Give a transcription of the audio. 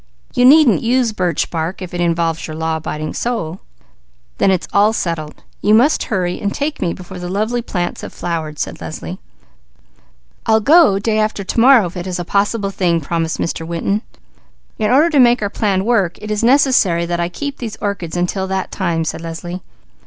You needn't use birch bark if it involves your law abiding soul." "Then it's all settled. You must hurry and take me before the lovely plants have flowered," said Leslie. "I'll go day after to morrow," promised Mr. Winton. "In order to make our plan work, it is necessary that I keep these orchids until that time," said Leslie.